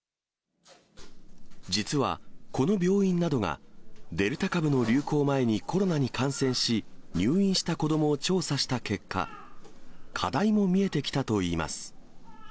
実はこの病院などがデルタ株の流行前にコロナに感染し、入院した子どもを調査した結果、課題も見えてきたといいます。